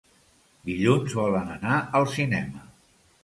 Dilluns volen anar al cinema.